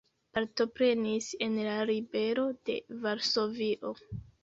Partoprenis en la ribelo de Varsovio.